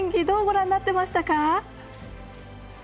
どうご覧になってましたか？